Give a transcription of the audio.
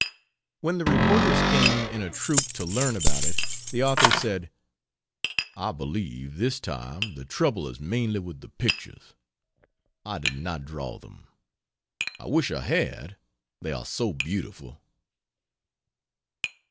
When the reporters came in a troop to learn about it, the author said: "I believe this time the trouble is mainly with the pictures. I did not draw them. I wish I had they are so beautiful."